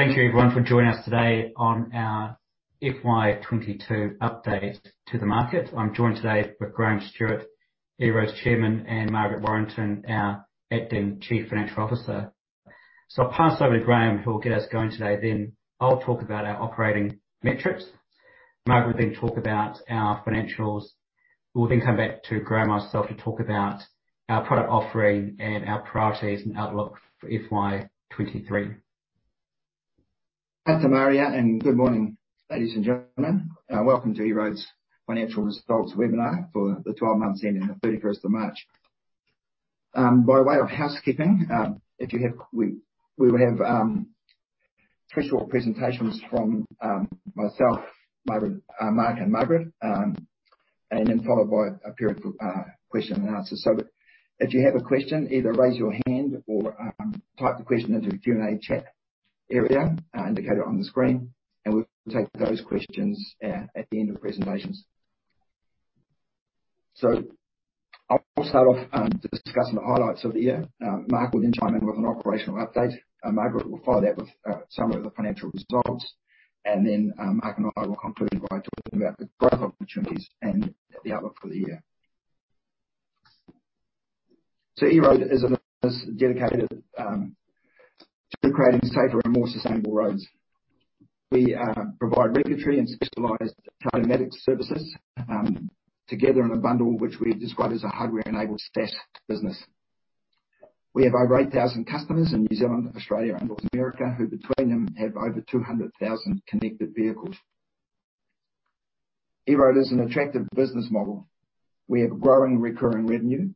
Thank you everyone for joining us today on our FY 2022 update to the market. I'm joined today with Graham Stuart, EROAD's Chairman, and Margaret Warrington, our acting Chief Financial Officer. I'll pass over to Graham, who will get us going today, then I'll talk about our operating metrics. Margaret will then talk about our financials. We'll then come back to Graham and myself to talk about our product offering and our priorities and outlook for FY 2023. Thanks, Mark, and good morning, ladies and gentlemen. Welcome to EROAD's financial results webinar for the 12 months ending the 31st of March. By way of housekeeping, we will have three short presentations from myself, Margaret, Mark, and Margaret, and then followed by a period of question and answer. If you have a question, either raise your hand or type the question into the Q&A chat area indicated on the screen, and we'll take those questions at the end of presentations. I'll start off discussing the highlights of the year. Mark will then chime in with an operational update. Margaret will follow that with summary of the financial results. Then, Mark and I will conclude by talking about the growth opportunities and the outlook for the year. EROAD is a business dedicated to creating safer and more sustainable roads. We provide regulatory and specialized telematics services together in a bundle which we describe as a hardware-enabled SaaS business. We have over 8,000 customers in New Zealand, Australia, and North America, who between them have over 200,000 connected vehicles. EROAD is an attractive business model. We have growing recurring revenue,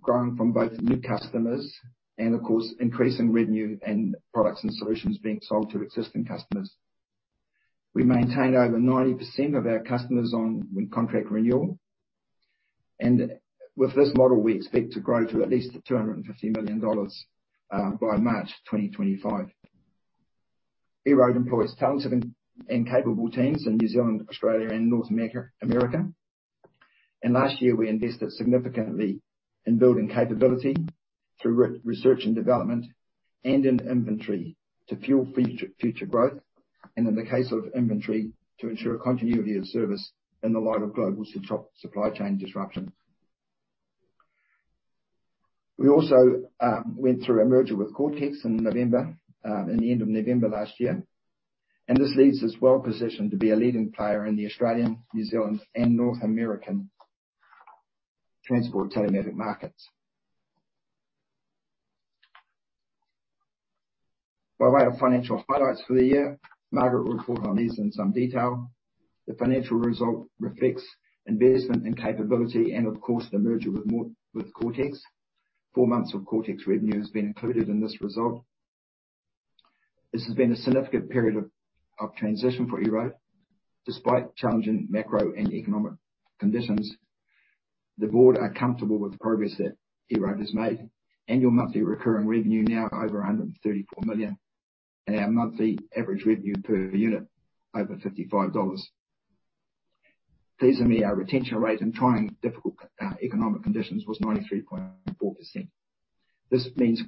growing from both new customers and of course increasing revenue and products and solutions being sold to existing customers. We maintain over 90% of our customers on contract renewal. With this model, we expect to grow to at least $250 million by March 2025. EROAD employs talented and capable teams in New Zealand, Australia, and North America. Last year we invested significantly in building capability through research and development and in inventory to fuel future growth, and in the case of inventory, to ensure continuity of service in the light of global supply chain disruptions. We also went through a merger with Coretex in November, in the end of November last year, and this leaves us well positioned to be a leading player in the Australian, New Zealand and North American transport telematics markets. By way of financial highlights for the year, Margaret will report on these in some detail. The financial result reflects investment and capability and of course, the merger with Coretex. Four months of Coretex revenue has been included in this result. This has been a significant period of transition for EROAD. Despite challenging macro and economic conditions, the board are comfortable with the progress that EROAD has made. Annual monthly recurring revenue now over 134 million, and our monthly average revenue per unit over $55. Pleasingly, our retention rate in trying, difficult, economic conditions was 93.4%. This means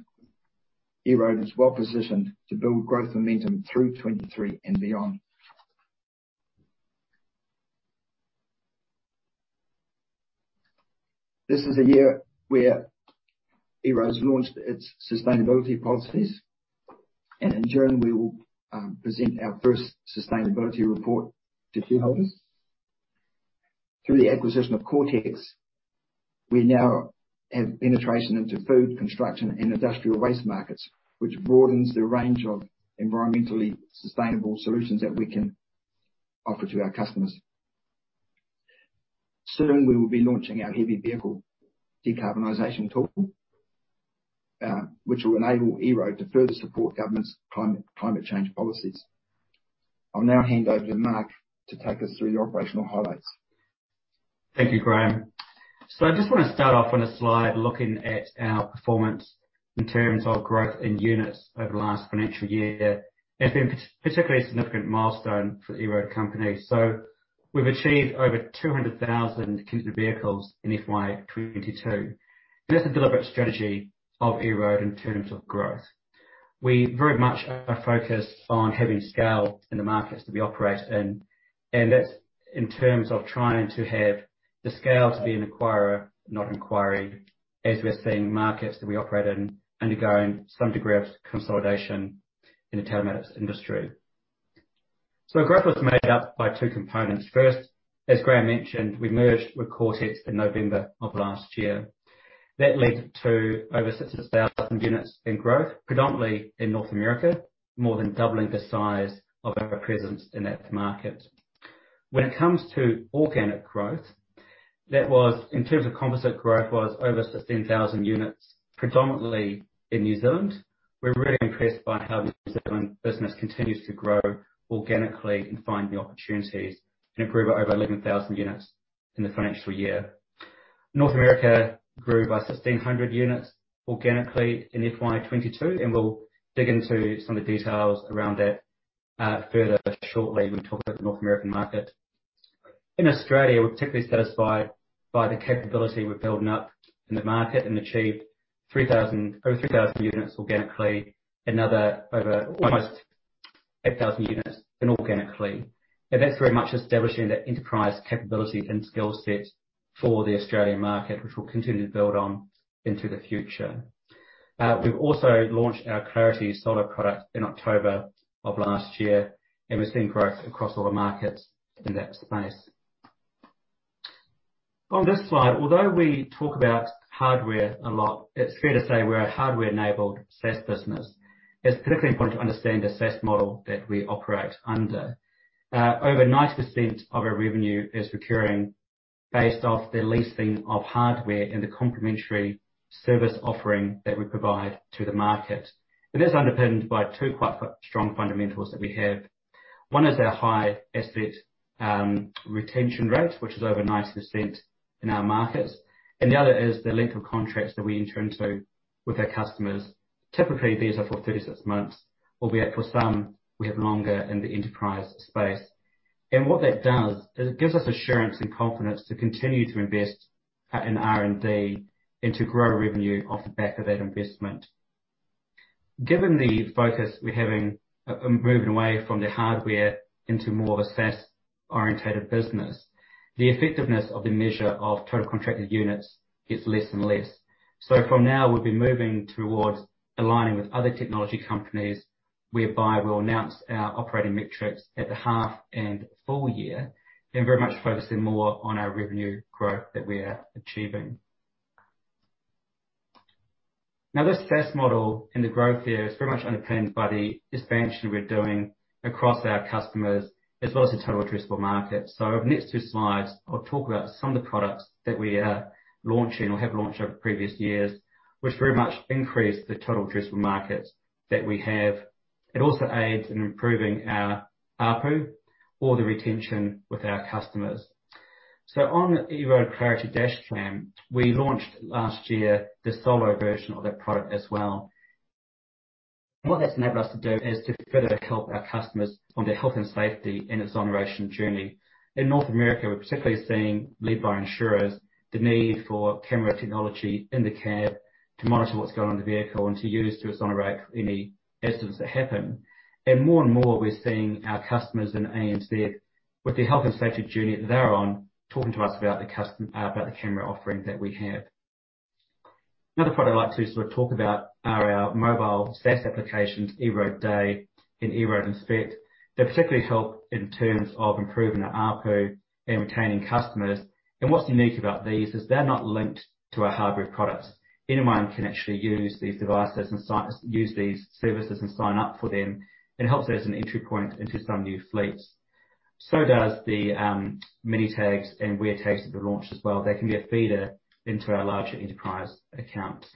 EROAD is well positioned to build growth momentum through 2023 and beyond. This is a year where EROAD's launched its sustainability policies, and in June, we will present our first sustainability report to shareholders. Through the acquisition of Coretex, we now have penetration into food, construction and industrial waste markets, which broadens the range of environmentally sustainable solutions that we can offer to our customers. Soon we will be launching our heavy vehicle decarbonization tool, which will enable EROAD to further support government's climate change policies. I'll now hand over to Mark to take us through the operational highlights. Thank you, Graham. I just want to start off on a slide looking at our performance in terms of growth in units over the last financial year. It's been a particularly significant milestone for the EROAD company. We've achieved over 200,000 connected vehicles in FY 2022. That's a deliberate strategy of EROAD in terms of growth. We very much are focused on having scale in the markets that we operate in, and that's in terms of trying to have the scale to be an acquirer, not an acquiree, as we're seeing markets that we operate in undergoing some degree of consolidation in the telematics industry. Our growth was made up by two components. First, as Graham mentioned, we merged with Coretex in November of last year. That led to over 6,000 units in growth, predominantly in North America, more than doubling the size of our presence in that market. When it comes to organic growth, that was, in terms of composite growth, over 16,000 units, predominantly in New Zealand. We're really impressed by how the New Zealand business continues to grow organically and find new opportunities, and grew by over 11,000 units in the financial year. North America grew by 1,600 units organically in FY 2022, and we'll dig into some of the details around that further shortly when we talk about the North American market. In Australia, we're particularly satisfied by the capability we're building up in the market and achieved over 3,000 units organically, another over almost 8,000 units inorganically. That's very much establishing that enterprise capability and skill set for the Australian market, which we'll continue to build on into the future. We've also launched our Clarity Solo product in October of last year, and we're seeing growth across all the markets in that space. On this slide, although we talk about hardware a lot, it's fair to say we're a hardware-enabled SaaS business. It's particularly important to understand the SaaS model that we operate under. Over 90% of our revenue is recurring based off the leasing of hardware and the complementary service offering that we provide to the market. That's underpinned by two quite strong fundamentals that we have. One is our high asset retention rate, which is over 90% in our markets, and the other is the length of contracts that we enter into with our customers. Typically, these are for 36 months, albeit for some we have longer in the enterprise space. What that does is it gives us assurance and confidence to continue to invest in R&D and to grow revenue off the back of that investment. Given the focus we're having, moving away from the hardware into more of a SaaS-oriented business, the effectiveness of the measure of total contracted units gets less and less. From now we'll be moving towards aligning with other technology companies, whereby we'll announce our operating metrics at the half and full year and very much focusing more on our revenue growth that we are achieving. Now, this SaaS model and the growth here is very much underpinned by the expansion we're doing across our customers as well as the total addressable market. Over the next two slides, I'll talk about some of the products that we are launching or have launched over previous years, which very much increase the total addressable market that we have. It also aids in improving our ARPU or the retention with our customers. On EROAD Clarity Dashcam, we launched last year the solo version of that product as well. What that's enabled us to do is to further help our customers on their health and safety and exoneration journey. In North America, we're particularly seeing, led by insurers, the need for camera technology in the cab to monitor what's going on in the vehicle and to use to exonerate any incidents that happen. More and more, we're seeing our customers in ANZ with the health and safety journey that they're on talking to us about the camera offering that we have. Another product I'd like to sort of talk about are our mobile SaaS applications, EROAD Day and EROAD Inspect. They particularly help in terms of improving the ARPU and retaining customers. What's unique about these is they're not linked to our hardware products. Anyone can actually use these services and sign up for them. It helps as an entry point into some new fleets. The Where Mini tags and Where tags that were launched as well can be a feeder into our larger enterprise accounts.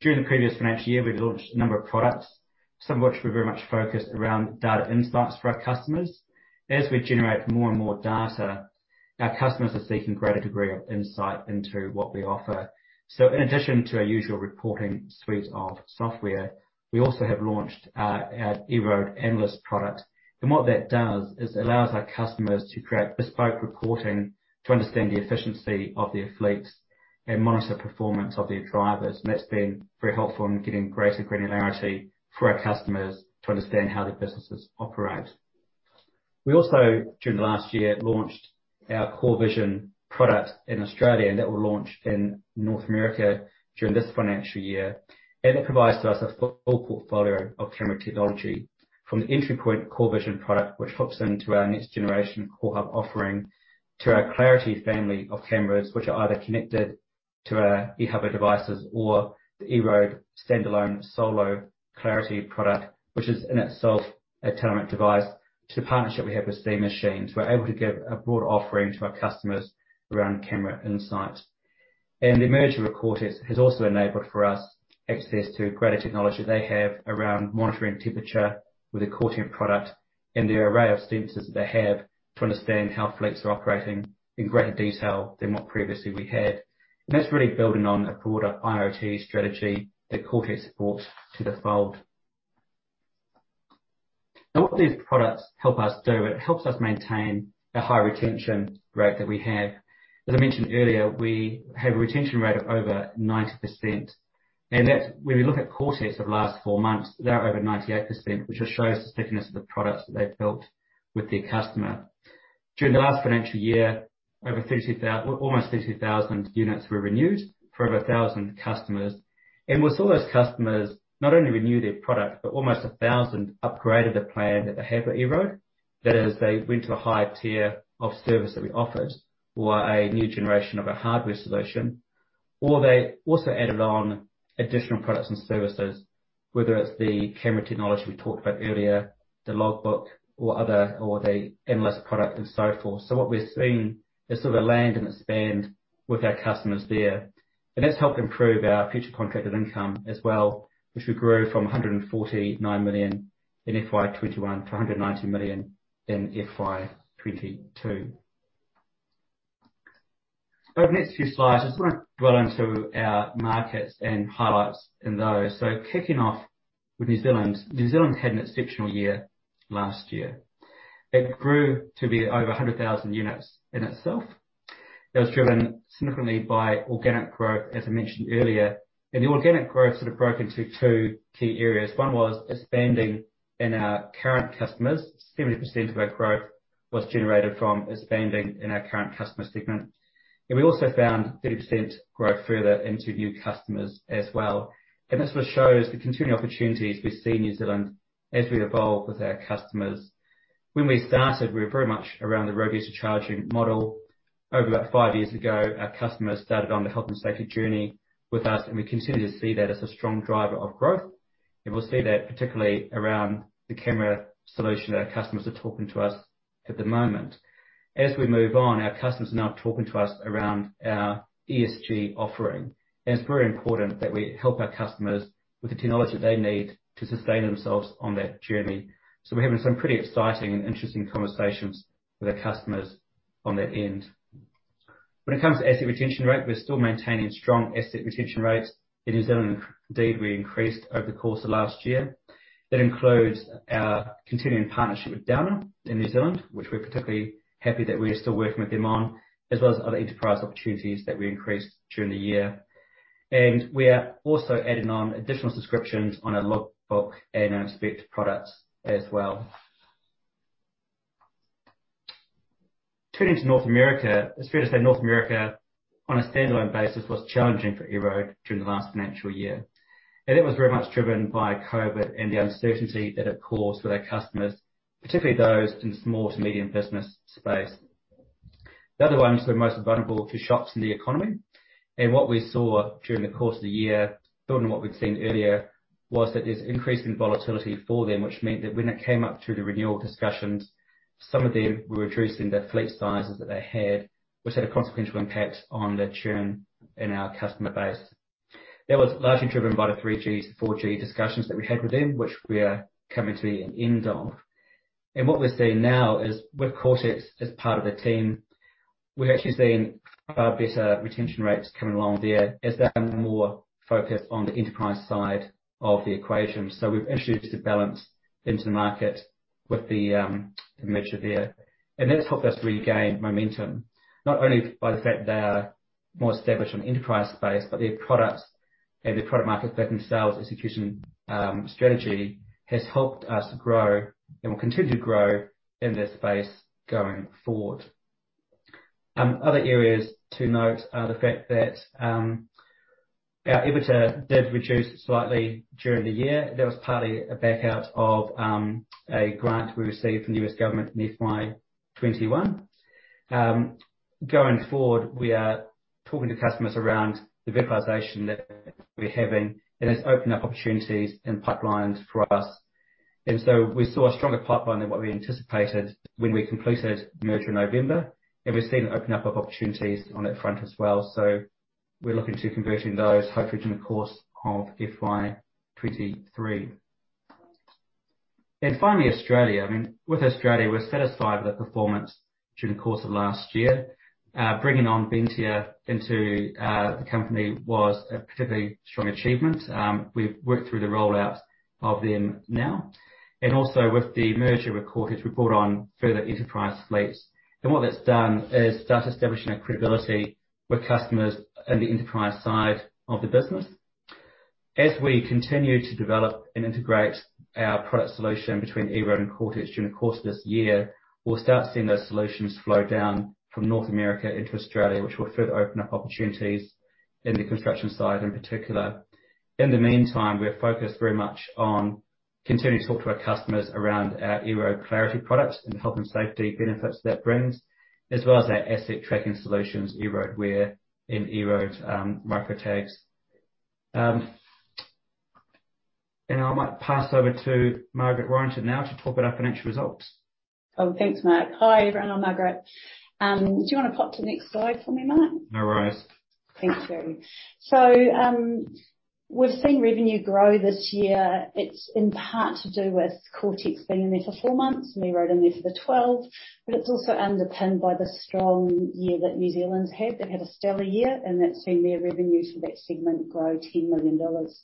During the previous financial year, we've launched a number of products, some of which were very much focused around data insights for our customers. As we generate more and more data, our customers are seeking greater degree of insight into what we offer. In addition to our usual reporting suite of software, we also have launched our EROAD Analyst product. What that does is allows our customers to create bespoke reporting to understand the efficiency of their fleets and monitor performance of their drivers. That's been very helpful in getting greater granularity for our customers to understand how their businesses operate. We also, during last year, launched our CoreVision product in Australia, and that will launch in North America during this financial year. It provides to us a full portfolio of camera technology from the entry point CoreVision product, which hooks into our next generation CoreHub offering, to our Clarity family of cameras, which are either connected to our Ehubo devices or the EROAD standalone Clarity Solo product, which is in itself a telematics device, to the partnership we have with Seeing Machines. We're able to give a broad offering to our customers around camera insight. The merger of Coretex has also enabled for us access to greater technology they have around monitoring temperature with the Coretex product and the array of sensors they have to understand how fleets are operating in greater detail than what previously we had. That's really building on a broader IoT strategy that Coretex brought to the fold. Now what these products help us do, it helps us maintain the high retention rate that we have. As I mentioned earlier, we have a retention rate of over 90%. That's when we look at Coretex's of the last four months, they're over 98%, which just shows the stickiness of the products that they've built with their customer. During the last financial year, almost 32,000 units were renewed for over 1,000 customers. We saw those customers not only renew their product, but almost 1,000 upgraded the plan that they have at EROAD. That is, they went to a higher tier of service that we offered or a new generation of a hardware solution, or they also added on additional products and services, whether it's the camera technology we talked about earlier, the logbook or other, or the analyst product and so forth. What we're seeing is sort of a land and expand with our customers there. That's helped improve our future contracted income as well, which we grew from 149 million in FY 2021 to 190 million in FY 2022. Over the next few slides, I just wanna delve into our markets and highlights in those. Kicking off with New Zealand. New Zealand's had an exceptional year last year. It grew to be over 100,000 units in itself. It was driven significantly by organic growth, as I mentioned earlier. The organic growth sort of broke into two key areas. One was expanding in our current customers. 70% of our growth was generated from expanding in our current customer segment. We also found 30% growth further into new customers as well. This one shows the continuing opportunities we see in New Zealand as we evolve with our customers. When we started, we were very much around the road user charging model. Over about five years ago, our customers started on the health and safety journey with us, and we continue to see that as a strong driver of growth. We'll see that particularly around the camera solution that our customers are talking to us at the moment. As we move on, our customers are now talking to us around our ESG offering. It's very important that we help our customers with the technology they need to sustain themselves on that journey. We're having some pretty exciting and interesting conversations with our customers on that end. When it comes to asset retention rate, we're still maintaining strong asset retention rates in New Zealand. Indeed, we increased over the course of last year. That includes our continuing partnership with Downer in New Zealand, which we're particularly happy that we are still working with them on, as well as other enterprise opportunities that we increased during the year. We are also adding on additional subscriptions on our logbook and our Inspect products as well. Turning to North America. It's fair to say North America, on a standalone basis, was challenging for EROAD during the last financial year. That was very much driven by COVID and the uncertainty that it caused for our customers, particularly those in small to medium business space. The other ones were most vulnerable to shocks in the economy. What we saw during the course of the year, building on what we'd seen earlier, was that there's increasing volatility for them, which meant that when it came up through the renewal discussions, some of them were reducing their fleet sizes that they had, which had a consequential impact on the churn in our customer base. That was largely driven by the 3G, 4G discussions that we had with them, which we are coming to the end of. What we're seeing now is, with Coretex as part of the team, we're actually seeing far better retention rates coming along there as they're more focused on the enterprise side of the equation. We've introduced a balance into the market with the merger there. That's helped us regain momentum, not only by the fact they are more established on the enterprise space, but their products and their product market fit and sales execution strategy has helped us grow and will continue to grow in this space going forward. Other areas to note are the fact that our EBITDA did reduce slightly during the year. That was partly a backout of a grant we received from the U.S. government in FY 2021. Going forward, we are talking to customers around the virtualization that we're having, and it's opened up opportunities and pipelines for us. We saw a stronger pipeline than what we anticipated when we completed the merger in November, and we're seeing an open up of opportunities on that front as well. We're looking to convert those hopefully during the course of FY 2023. Finally, Australia. I mean, with Australia, we're satisfied with the performance during the course of last year. Bringing on Ventia into the company was a particularly strong achievement. We've worked through the rollout of them now. Also with the merger with Coretex, we brought on further enterprise fleets. What that's done is start establishing our credibility with customers in the enterprise side of the business. As we continue to develop and integrate our product solution between EROAD and Coretex during the course of this year, we'll start seeing those solutions flow down from North America into Australia, which will further open up opportunities in the construction side in particular. In the meantime, we're focused very much on continuing to talk to our customers around our EROAD Clarity products and the health and safety benefits that brings, as well as our asset tracking solutions, EROAD Where and EROAD Where Mini tags. I might pass over to Margaret Warrington now to talk about our financial results. Oh, thanks, Mark. Hi, everyone. I'm Margaret. Do you wanna pop to the next slide for me, Mark? No worries. Thanks. We've seen revenue grow this year. It's in part to do with Coretex being in there for four months and EROAD in there for the 12, but it's also underpinned by the strong year that New Zealand's had. They've had a stellar year, and that's seen their revenue for that segment grow 10 million dollars.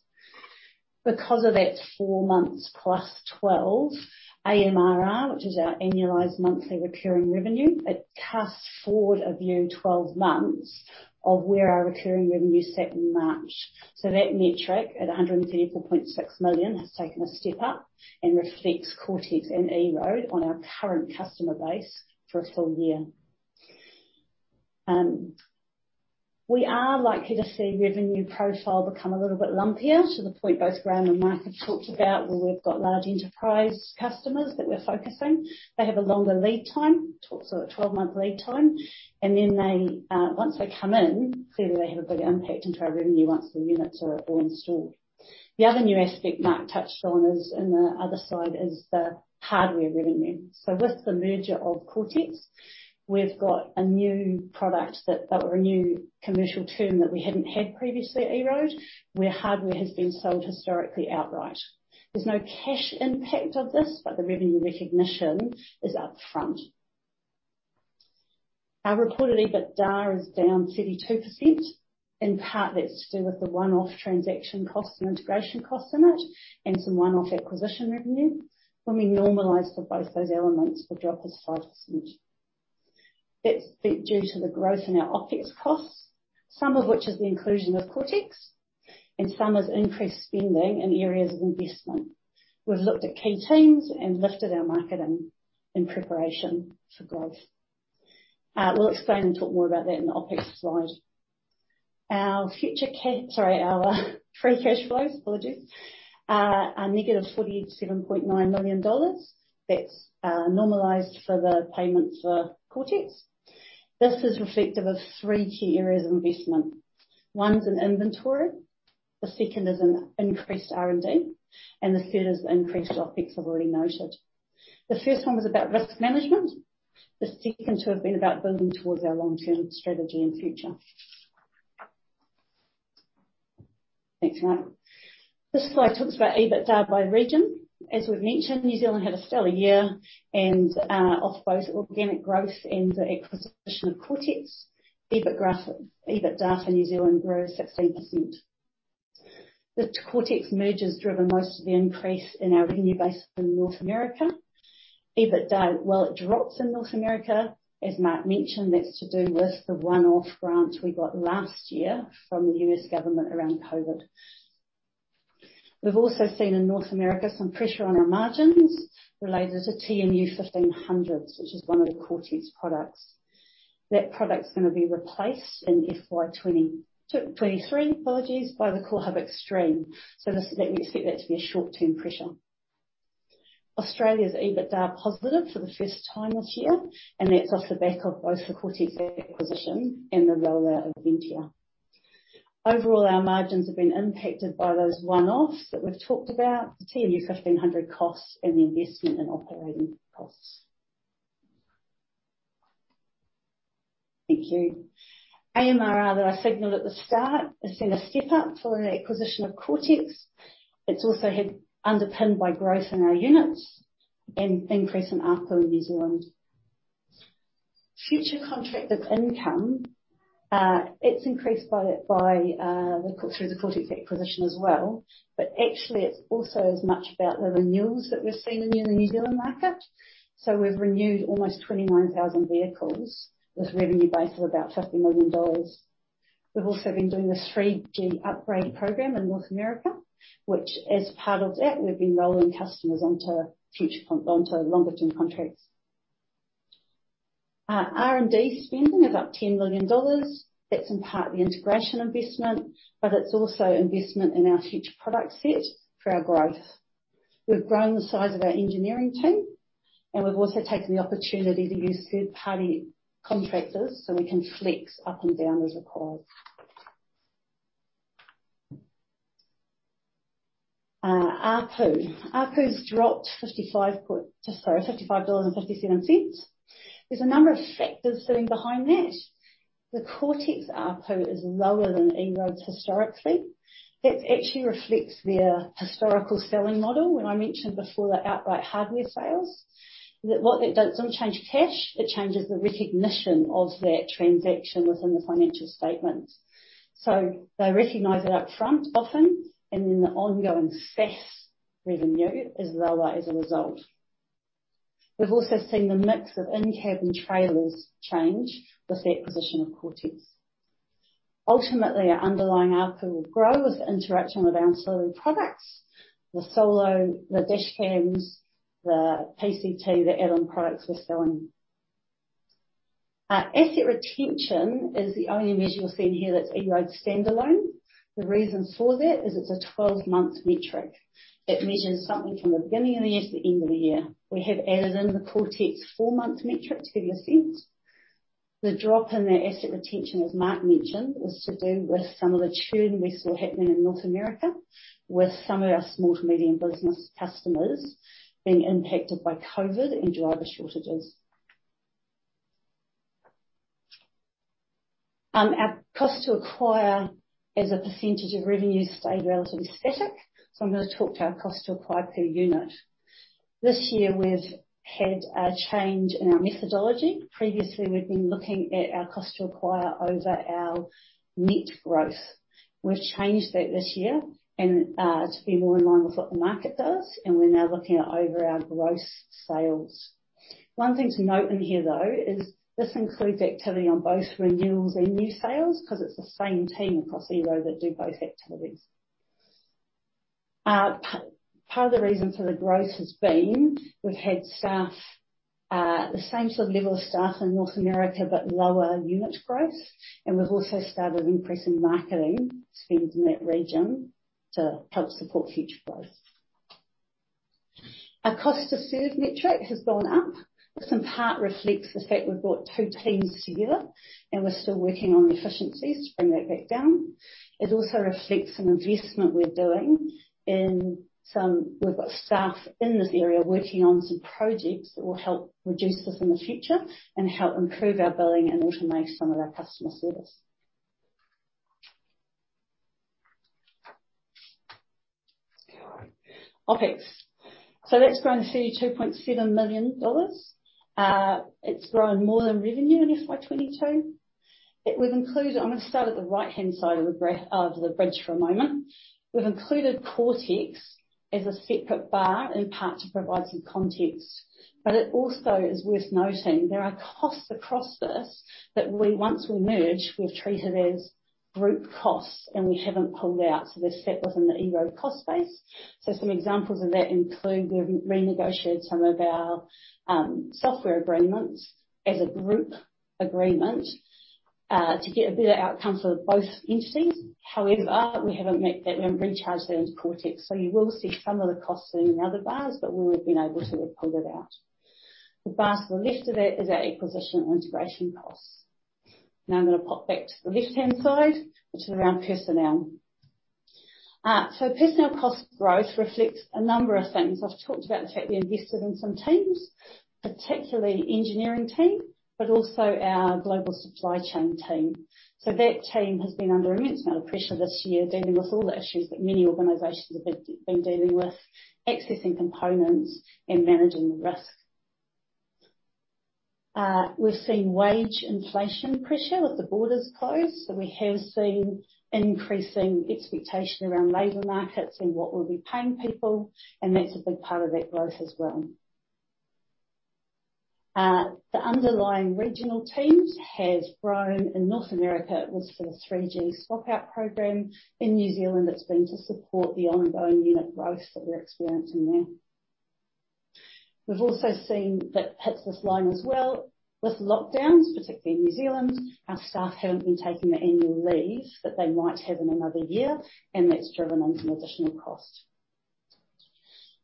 Because of that four months +12 AMRR, which is our annualized monthly recurring revenue, it casts forward a view 12 months of where our recurring revenue sat in March. That metric at 134.6 million has taken a step up and reflects Coretex and EROAD on our current customer base for a full year. We are likely to see revenue profile become a little bit lumpier. To the point both Graham and Mark have talked about, where we've got large enterprise customers that we're focusing. They have a longer lead time, so a 12-month lead time. Then they, once they come in, clearly they have a big impact into our revenue once the units are all installed. The other new aspect Mark touched on is, in the other slide, is the hardware revenue. With the merger of Coretex, we've got a new product that or a new commercial term that we hadn't had previously at EROAD, where hardware has been sold historically outright. There's no cash impact of this, but the revenue recognition is up front. Our reported EBITDA is down 32%. In part, that's to do with the one-off transaction costs and integration costs in it and some one-off acquisition revenue. When we normalize for both those elements, the drop is 5%. That's due to the growth in our OpEx costs, some of which is the inclusion of Coretex and some is increased spending in areas of investment. We've looked at key teams and lifted our marketing in preparation for growth. We'll explain and talk more about that in the OpEx slide. Our free cash flows are -$47.9 million. That's normalized for the payments for Coretex. This is reflective of three key areas of investment. One's in inventory, the second is in increased R&D, and the third is the increased OpEx I've already noted. The first one was about risk management. The second two have been about building towards our long-term strategy and future. Thanks, Mark. This slide talks about EBITDA by region. As we've mentioned, New Zealand had a stellar year and off both organic growth and the acquisition of Coretex. EBITDA for New Zealand grew 16%. The Coretex merger has driven most of the increase in our revenue base in North America. EBITDA, while it drops in North America, as Mark mentioned, that's to do with the one-off grants we got last year from the U.S. government around COVID. We've also seen in North America some pressure on our margins related to TMU 1500, which is one of the Coretex products. That product's gonna be replaced in FY 2023, apologies, by the CoreHub Xtreme, we expect that to be a short-term pressure. Australia's EBITDA positive for the first time this year, and that's off the back of both the Coretex acquisition and the rollout of Ventia. Overall, our margins have been impacted by those one-offs that we've talked about, the TMU 1500 costs, and the investment in operating costs. Thank you. AMRR that I signaled at the start has seen a step-up following the acquisition of Coretex. It's also underpinned by growth in our units and increase in ARPU in New Zealand. Future contracted income, it's increased by [inaudible] through the Coretex acquisition as well, but actually it's also as much about the renewals that we're seeing in the New Zealand market. We've renewed almost 29,000 vehicles with revenue base of about 50 million dollars. We've also been doing this 3G upgrade program in North America, which as part of that, we've been rolling customers onto longer-term contracts. R&D spending is up 10 million dollars. That's in part the integration investment, but it's also investment in our future product set for our growth. We've grown the size of our engineering team, and we've also taken the opportunity to use third-party contractors, so we can flex up and down as required. ARPU. ARPU's dropped 55.57 dollars. There's a number of factors sitting behind that. The Coretex ARPU is lower than EROAD's historically. That actually reflects their historical selling model. When I mentioned before the outright hardware sales, that what that does, it doesn't change cash, it changes the recognition of that transaction within the financial statements. So they recognize it up front often, and then the ongoing SaaS revenue is lower as a result. We've also seen the mix of in-cab and trailers change with the acquisition of Coretex. Ultimately, our underlying ARPU will grow with the interaction with our ancillary products, the Solo, the dash cams, the PCT, the add-on products we're selling. Asset retention is the only measure you'll see in here that's EROAD standalone. The reason for that is it's a 12-month metric that measures something from the beginning of the year to the end of the year. We have added in the Coretex four-month metric, if you like. The drop in that asset retention, as Mark mentioned, was to do with some of the churn we saw happening in North America with some of our small to medium business customers being impacted by COVID and driver shortages. Our cost to acquire as a percentage of revenue stayed relatively static, so I'm gonna talk to our cost to acquire per unit. This year, we've had a change in our methodology. Previously, we've been looking at our cost to acquire over our net growth. We've changed that this year and, to be more in line with what the market does, and we're now looking at over our gross sales. One thing to note in here, though, is this includes activity on both renewals and new sales 'cause it's the same team across EROAD that do both activities. Part of the reason for the growth has been we've had staff, the same sort of level of staff in North America, but lower unit growth, and we've also started increasing marketing spends in that region to help support future growth. Our cost to serve metric has gone up, which in part reflects the fact we brought two teams together, and we're still working on the efficiencies to bring that back down. It also reflects an investment we're doing in some. We've got staff in this area working on some projects that will help reduce this in the future and help improve our billing and automate some of our customer service. OpEx. That's grown to 32.7 million dollars. It's grown more than revenue in FY 2022. It would include. I'm gonna start at the right-hand side of the bridge for a moment. We've included Coretex as a separate bar, in part to provide some context. It also is worth noting there are costs across this that once we merge, we've treated as group costs, and we haven't pulled out, so they're set within the EROAD cost base. Some examples of that include, we've renegotiated some of our software agreements as a group agreement to get a better outcome for both entities. However, we haven't met that. We haven't recharged those Coretex. You will see some of the costs in other bars, but we would have been able to have pulled it out. The bars to the left of that is our acquisition and integration costs. Now I'm gonna pop back to the left-hand side, which is around personnel. Personnel cost growth reflects a number of things. I've talked about the fact we invested in some teams, particularly engineering team, but also our global supply chain team. That team has been under immense amount of pressure this year, dealing with all the issues that many organizations have been dealing with, accessing components and managing risk. We've seen wage inflation pressure with the borders closed, so we have seen increasing expectation around labor markets and what we'll be paying people, and that's a big part of that growth as well. The underlying regional teams has grown. In North America, it was for the 3G swap-out program. In New Zealand, it's been to support the ongoing unit growth that we're experiencing there. We've also seen that hits this line as well. With lockdowns, particularly in New Zealand, our staff haven't been taking their annual leave that they might have in another year, and that's driven on some additional cost.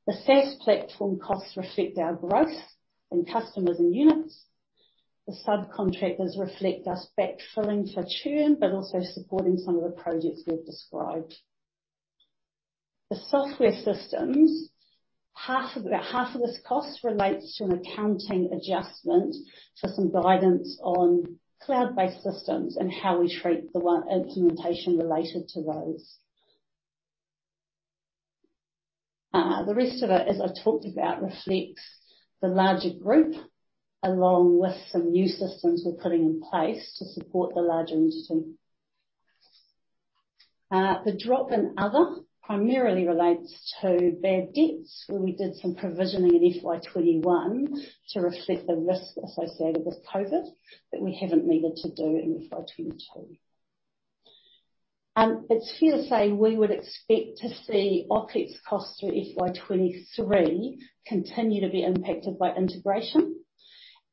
The SaaS platform costs reflect our growth in customers and units. The subcontractors reflect us backfilling for churn, but also supporting some of the projects we've described. The software systems, about half of this cost relates to an accounting adjustment for some guidance on cloud-based systems and how we treat the one implementation related to those. The rest of it, as I've talked about, reflects the larger group, along with some new systems we're putting in place to support the larger entity. The drop in other primarily relates to bad debts, where we did some provisioning in FY 2021 to reflect the risk associated with COVID that we haven't needed to do in FY 2022. It's fair to say we would expect to see OpEx costs through FY 2023 continue to be impacted by integration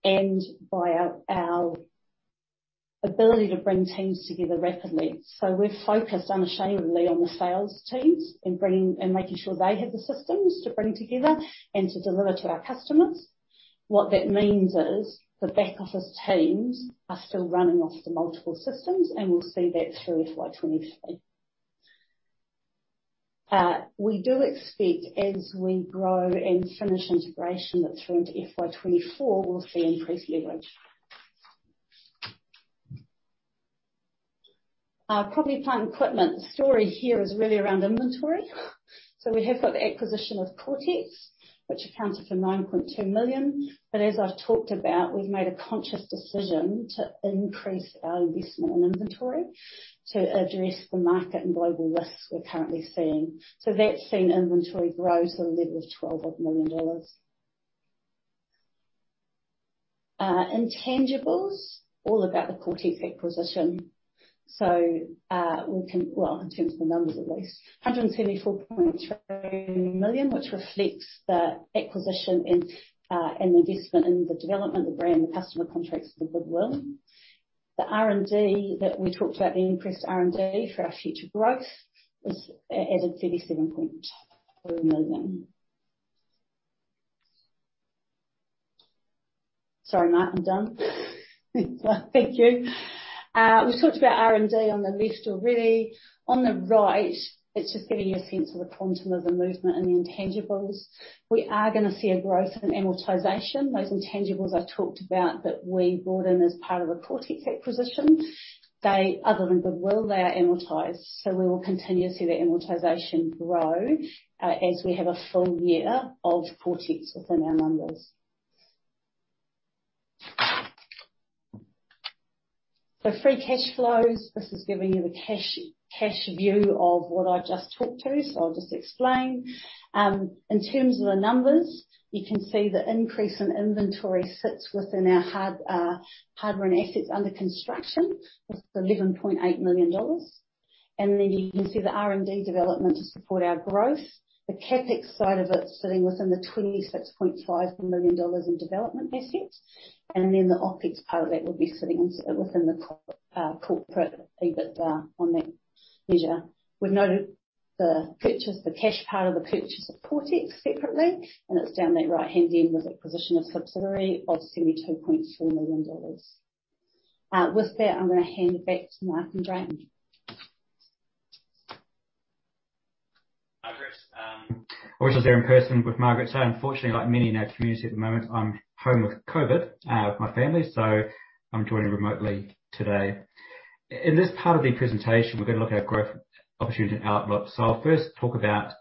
and by our ability to bring teams together rapidly. We're focused unashamedly on the sales teams and making sure they have the systems to bring together and to deliver to our customers. What that means is the back office teams are still running off the multiple systems, and we'll see that through FY 2023. We do expect as we grow and finish integration that through into FY 2024, we'll see increased leverage. Property, plant, and equipment. The story here is really around inventory. We have got the acquisition of Coretex, which accounted for 9.2 million. As I've talked about, we've made a conscious decision to increase our investment in inventory to address the market and global risks we're currently seeing. That's seen inventory grow to the level of NZD 12 million. Intangibles, all about the Coretex acquisition. In terms of the numbers at least, 174.2 million, which reflects the acquisition and investment in the development of the brand, the customer contracts, the goodwill. The R&D that we talked about, the increased R&D for our future growth was added NZD 37.4 million. Sorry, Mark, I'm done. Thank you. We talked about R&D on the left already. On the right, it's just giving you a sense of the quantum of the movement in the intangibles. We are gonna see a growth in amortization. Those intangibles I talked about that we brought in as part of the Coretex acquisition, they, other than goodwill, they are amortized. We will continue to see that amortization grow as we have a full year of Coretex within our numbers. Free Cash Flows. This is giving you the cash view of what I just talked through, so I'll just explain. In terms of the numbers, you can see the increase in inventory sits within our hardware and assets under construction. That's 11.8 million dollars. Then you can see the R&D development to support our growth. The CapEx side of it sitting within the 26.5 million dollars in development assets. The OpEx part of that would be sitting within the corporate EBIT on that measure. We've noted the purchase, the cash part of the purchase of Coretex separately, and it's down that right-hand end with acquisition of subsidiary of 72.4 million dollars. With that, I'm gonna hand it back to Mark and Graham. Margaret, I was just there in person with Margaret, so unfortunately like many in our community at the moment, I'm home with COVID, with my family, so I'm joining remotely today. In this part of the presentation, we're gonna look at growth opportunities and outlook. I'll first talk about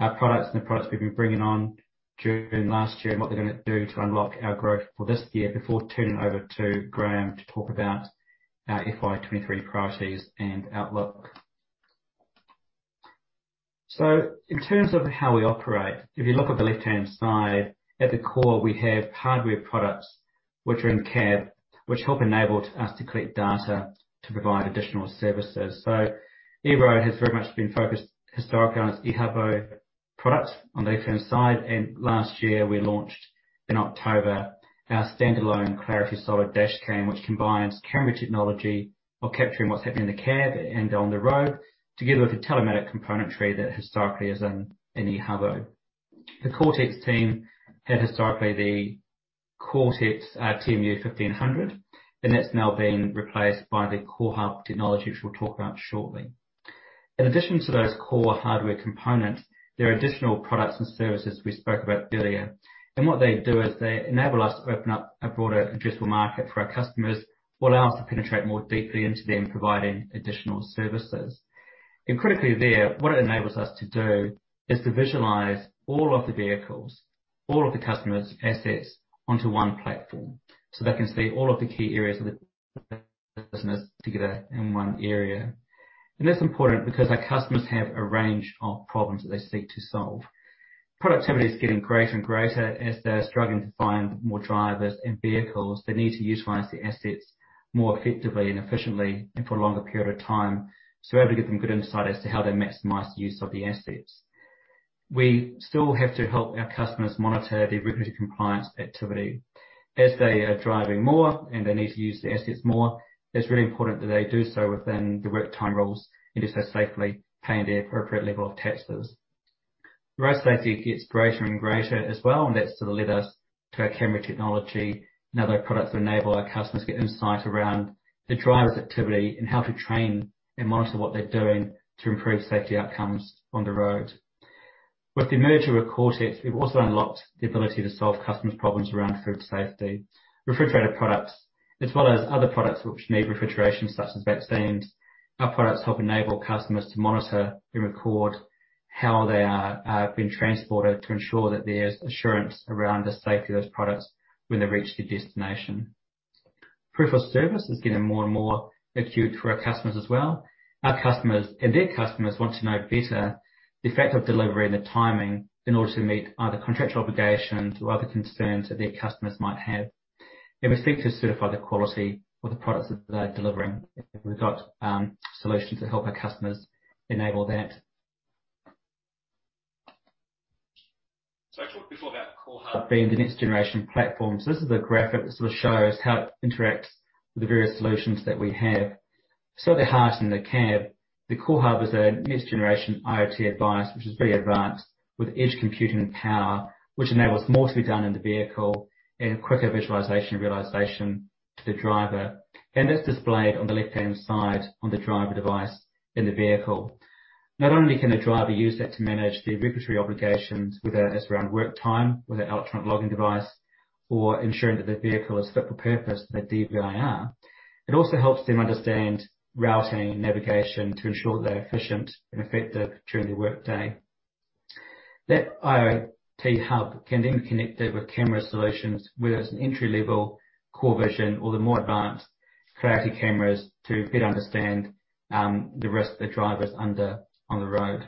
our products and the products we've been bringing on during last year and what they're gonna do to unlock our growth for this year before turning over to Graham to talk about our FY 2023 priorities and outlook. In terms of how we operate, if you look at the left-hand side, at the core, we have hardware products which are in cab, which help enable us to collect data to provide additional services. EROAD has very much been focused historically on its Ehubo products on the left-hand side, and last year we launched in October our standalone Clarity Solo dash cam, which combines camera technology for capturing what's happening in the cab and on the road, together with a telematics componentry that historically is in Ehubo. The Coretex team had historically the Coretex TMU1500, and that's now been replaced by the CoreHub technology, which we'll talk about shortly. In addition to those core hardware components, there are additional products and services we spoke about earlier. What they do is they enable us to open up a broader addressable market for our customers, while allow us to penetrate more deeply into them providing additional services. Critically there, what it enables us to do is to visualize all of the vehicles, all of the customer's assets onto one platform, so they can see all of the key areas of the business together in one area. That's important because our customers have a range of problems that they seek to solve. Productivity is getting greater and greater as they're struggling to find more drivers and vehicles. They need to utilize the assets more effectively and efficiently and for a longer period of time, so we're able to give them good insight as to how they maximize the use of the assets. We still have to help our customers monitor their regulatory compliance activity. As they are driving more and they need to use the assets more, it's really important that they do so within the work time rules and do so safely, paying their appropriate level of taxes. Road safety gets greater and greater as well, and that's sort of led us to our camera technology and other products that enable our customers to get insight around the driver's activity and how to train and monitor what they're doing to improve safety outcomes on the road. With the merger of Coretex, we've also unlocked the ability to solve customers' problems around food safety, refrigerated products, as well as other products which need refrigeration, such as vaccines. Our products help enable customers to monitor and record how they are being transported to ensure that there's assurance around the safety of those products when they reach the destination. Proof of service is getting more and more acute for our customers as well. Our customers and their customers want to know better the effect of delivery and the timing in order to meet either contractual obligations or other concerns that their customers might have. We seek to certify the quality of the products that they're delivering. We've got solutions to help our customers enable that. I talked before about CoreHub being the next generation platform. This is a graphic that sort of shows how it interacts with the various solutions that we have. At the heart in the cab, the CoreHub is a next generation IoT device, which is very advanced with edge computing and power, which enables more to be done in the vehicle and quicker visualization and realization to the driver. That's displayed on the left-hand side on the driver device in the vehicle. Not only can the driver use that to manage their regulatory obligations, whether that's around work time with an Electronic Logging Device or ensuring that the vehicle is fit for purpose with a DVIR. It also helps them understand routing and navigation to ensure they're efficient and effective during their workday. That CoreHub can then be connected with camera solutions, whether it's an entry-level CoreVision or the more advanced Clarity cameras to better understand the risk the driver's under on the road.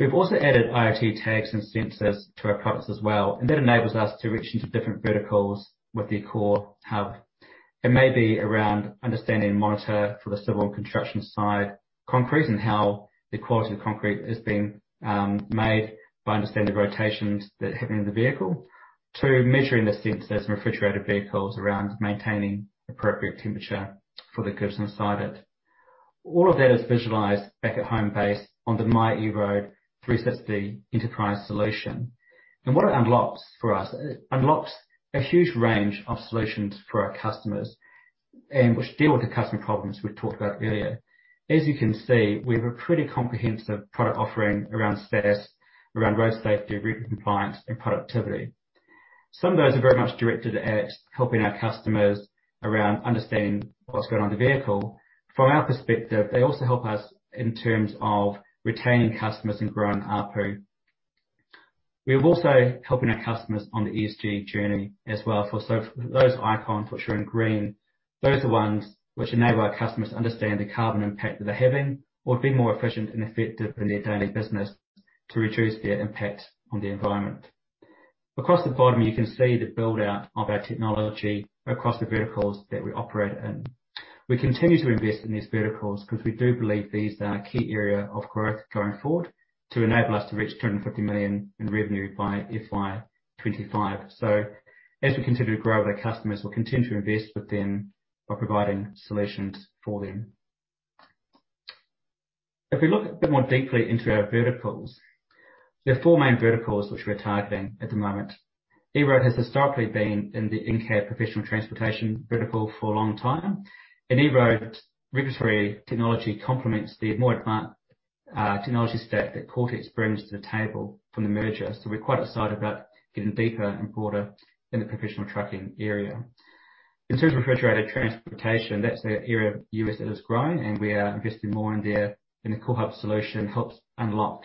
We've also added IoT tags and sensors to our products as well, and that enables us to reach into different verticals with the CoreHub. It may be around understanding and monitoring for the civil and construction side, concrete and how the quality of the concrete is being made by understanding the rotations that are happening in the vehicle. To measuring the sensors in refrigerated vehicles around maintaining appropriate temperature for the goods inside it. All of that is visualized back at home base on the MyEROAD 360 Enterprise solution. What it unlocks for us, it unlocks a huge range of solutions for our customers and which deal with the customer problems we talked about earlier. As you can see, we have a pretty comprehensive product offering around SaaS, around road safety, regulatory compliance and productivity. Some of those are very much directed at helping our customers around understanding what's going on in the vehicle. From our perspective, they also help us in terms of retaining customers and growing ARPU. We are also helping our customers on the ESG journey as well. Those icons which are in green, those are ones which enable our customers to understand the carbon impact that they're having or be more efficient and effective in their daily business to reduce their impact on the environment. Across the bottom, you can see the build-out of our technology across the verticals that we operate in. We continue to invest in these verticals because we do believe these are a key area of growth going forward to enable us to reach 250 million in revenue by FY 2025. As we continue to grow with our customers, we'll continue to invest with them by providing solutions for them. If we look a bit more deeply into our verticals, there are four main verticals which we're targeting at the moment. EROAD has historically been in the in-cab professional transportation vertical for a long time. EROAD's regulatory technology complements the more advanced technology stack that Coretex brings to the table from the merger. We're quite excited about getting deeper and broader in the professional trucking area. In terms of refrigerated transportation, that's an area of the U.S. that is growing, and we are investing more in there, and the CoreHub solution helps unlock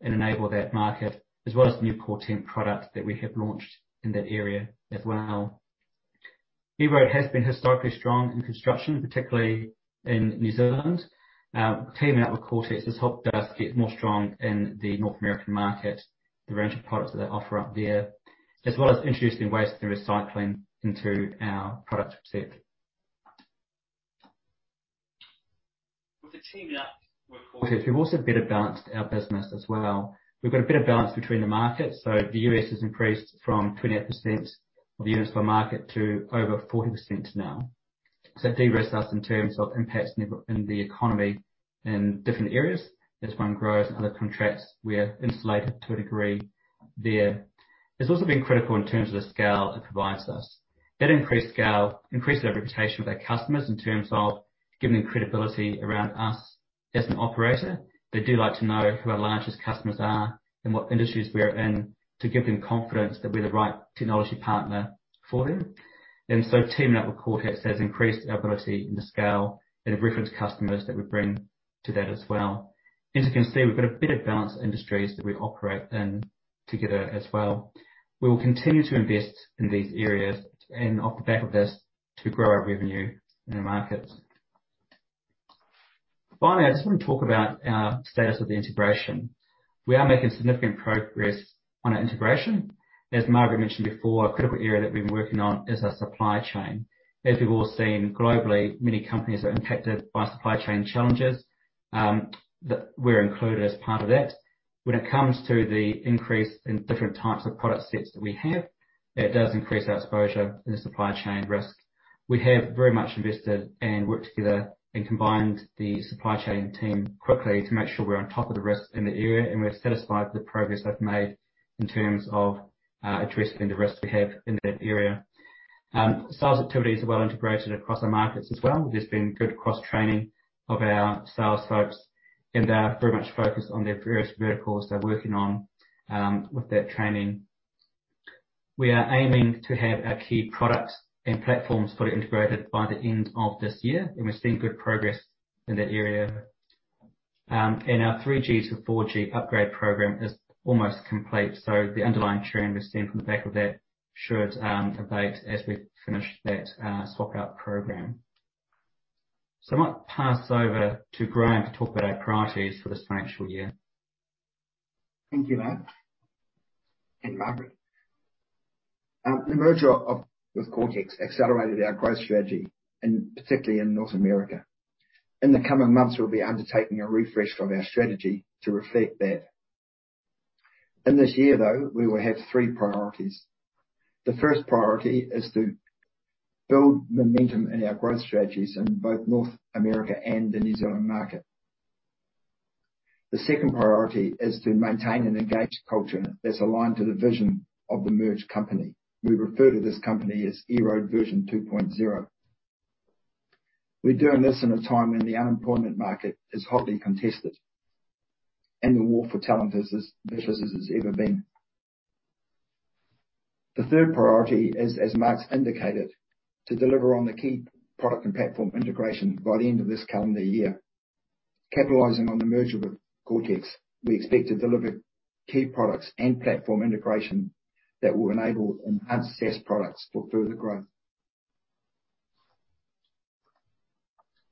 and enable that market, as well as new CoreTemp products that we have launched in that area as well. EROAD has been historically strong in construction, particularly in New Zealand. Teaming up with Coretex has helped us get more strong in the North American market, the range of products that they offer up there, as well as introducing waste and recycling into our product set. With the teaming up with Coretex, we've also better balanced our business as well. We've got a better balance between the markets, so the U.S. has increased from 28% of the units by market to over 40% now. It de-risks us in terms of impacts in the economy in different areas. As one grows and other contracts, we are insulated to a degree there. It's also been critical in terms of the scale it provides us. That increased scale increases our reputation with our customers in terms of giving them credibility around us as an operator. They do like to know who our largest customers are and what industries we are in to give them confidence that we're the right technology partner for them. Teaming up with Coretex has increased our ability in the scale and the reference customers that we bring to that as well. As you can see, we've got a better balanced industries that we operate in together as well. We will continue to invest in these areas and off the back of this to grow our revenue in the market. Finally, I just wanna talk about our status of the integration. We are making significant progress on our integration. As Margaret mentioned before, a critical area that we've been working on is our supply chain. As we've all seen globally, many companies are impacted by supply chain challenges, that we're included as part of that. When it comes to the increase in different types of product sets that we have, that does increase our exposure in the supply chain risk. We have very much invested and worked together and combined the supply chain team quickly to make sure we're on top of the risk in the area, and we're satisfied with the progress they've made in terms of addressing the risk we have in that area. Sales activities are well integrated across our markets as well. There's been good cross-training of our sales folks, and they are very much focused on their various verticals they're working on with that training. We are aiming to have our key products and platforms fully integrated by the end of this year, and we're seeing good progress in that area. Our 3G to 4G upgrade program is almost complete, so the underlying trend we're seeing from the back of that should abate as we finish that swap-out program. I might pass over to Graham to talk about our priorities for this financial year. Thank you, Mark and Margaret. The merger with Coretex accelerated our growth strategy, and particularly in North America. In the coming months, we'll be undertaking a refresh of our strategy to reflect that. In this year, though, we will have three priorities. The first priority is to build momentum in our growth strategies in both North America and the New Zealand market. The second priority is to maintain an engaged culture that's aligned to the vision of the merged company. We refer to this company as EROAD version two point zero. We're doing this in a time when the unemployment market is hotly contested, and the war for talent is as vicious as it's ever been. The third priority is, as Mark's indicated, to deliver on the key product and platform integration by the end of this calendar year. Capitalizing on the merger with Coretex, we expect to deliver key products and platform integration that will enable enhanced SaaS products for further growth.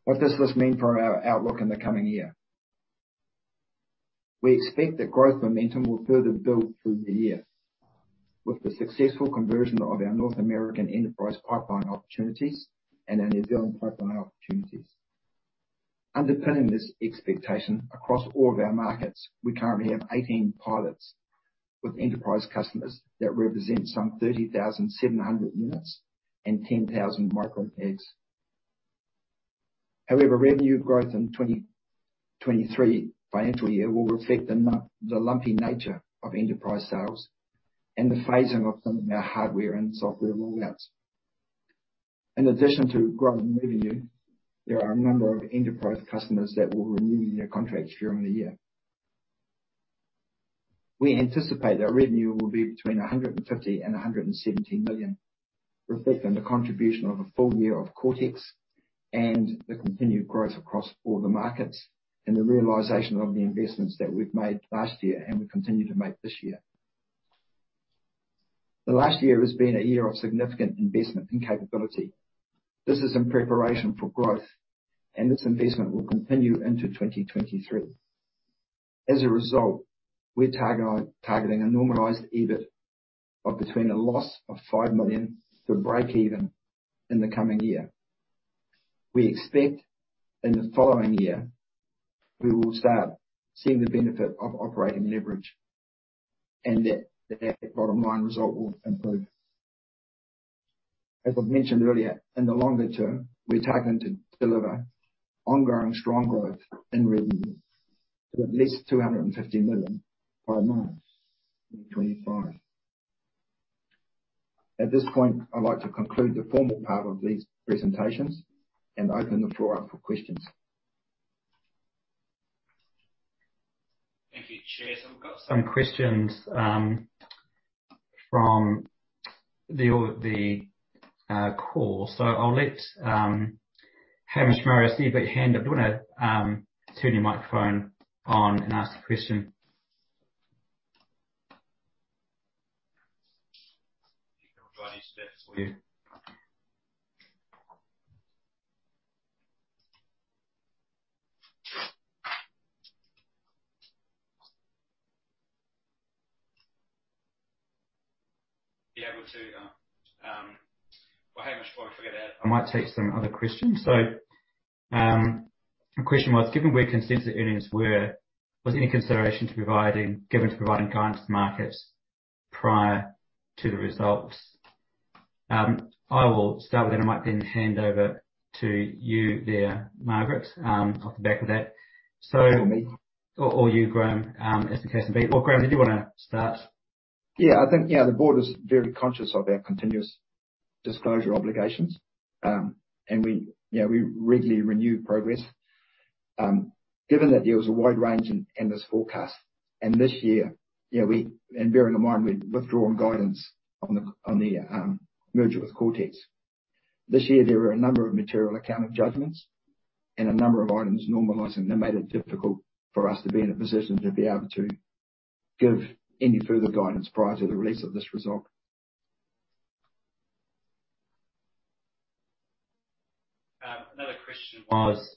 What does this mean for our outlook in the coming year? We expect that growth momentum will further build through the year with the successful conversion of our North American enterprise pipeline opportunities and our New Zealand pipeline opportunities. Underpinning this expectation across all of our markets, we currently have 18 pilots with enterprise customers that represent some 30,700 units and 10,000 micro tags. However, revenue growth in 2023 financial year will reflect the lumpy nature of enterprise sales and the phasing of some of our hardware and software rollouts. In addition to growing revenue, there are a number of enterprise customers that will renew their contracts during the year. We anticipate that revenue will be between 150 million and 170 million, reflecting the contribution of a full year of Coretex and the continued growth across all the markets and the realization of the investments that we've made last year and we continue to make this year. The last year has been a year of significant investment and capability. This is in preparation for growth, and this investment will continue into 2023. As a result, we're targeting a normalized EBIT of between a loss of 5 million to breakeven in the coming year. We expect in the following year we will start seeing the benefit of operating leverage and that the bottom line result will improve. As I've mentioned earlier, in the longer term, we're targeting to deliver ongoing strong growth in revenue to at least 250 million by 2025. At this point, I'd like to conclude the formal part of these presentations and open the floor up for questions. Thank you. Sure. We've got some questions from the call. I'll let Hamish Murray. I see you've got your hand up. Do you wanna turn your microphone on and ask the question? [inaudible] Oh, Hamish, before I forget to add, I might take some other questions. The question was, given where consistent earnings were, was any consideration given to providing guidance to the markets prior to the results? I will start with that. I might then hand over to you there, Margaret, off the back of that. Me. You, Graham, as the case may be. Graham, did you wanna start? Yeah. I think, you know, the board is very conscious of our continuous disclosure obligations, and we, you know, we regularly review progress. Given that there was a wide range in this forecast, and this year, you know, we. Bearing in mind we've withdrawn guidance on the merger with Coretex. This year there were a number of material accounting judgments and a number of items normalizing that made it difficult for us to be in a position to be able to give any further guidance prior to the release of this result. Another question was,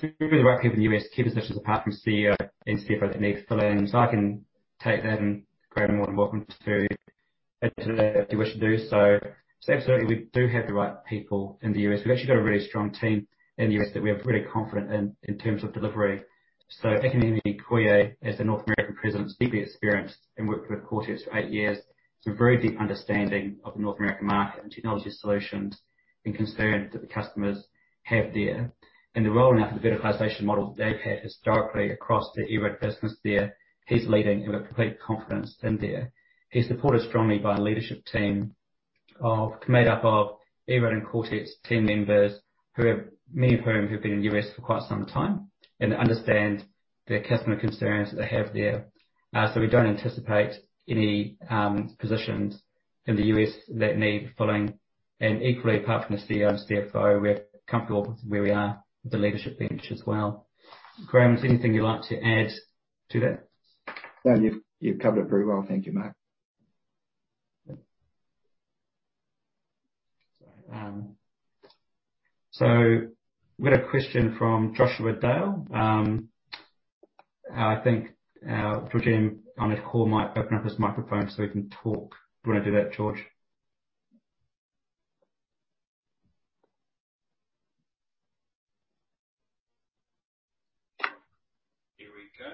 do you have the right people in the U.S. key positions apart from CEO and CFO that needs filling? I can take that, and Graham, you're more than welcome to add to that if you wish to do so. Absolutely, we do have the right people in the U.S. We've actually got a really strong team in the U.S. that we are really confident in terms of delivery. Akinyemi Koyi as the North American President is deeply experienced and worked with Coretex for eight years, so a very deep understanding of the North American market and technology solutions and concerns that the customers have there. In the rolling out of the verticalization model they've had historically across the EROAD business there, he's leading and we've complete confidence in there. He's supported strongly by a leadership team made up of EROAD and Coretex team members, many of whom have been in the U.S. for quite some time and understand the customer concerns they have there. We don't anticipate any positions in the U.S. that need filling, and equally, apart from the CEO and CFO, we're comfortable with where we are with the leadership bench as well. Graham, is there anything you'd like to add to that? No, you've covered it very well. Thank you, Mark. Sorry. We had a question from Joshua Dale. I think will begin on the call might open up his microphone so we can talk. Do you wanna do that, Josh? Here we go.